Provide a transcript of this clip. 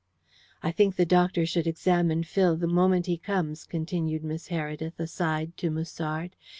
"I think the doctor should examine Phil the moment he comes," continued Miss Heredith, aside, to Musard.